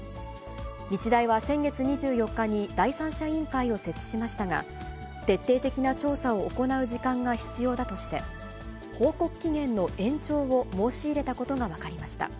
日大は先月２４日に、第三者委員会を設置しましたが、徹底的な調査を行う時間が必要だとして、報告期限の延長を申し入れたことが分かりました。